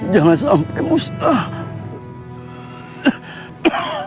jangan sampai musnah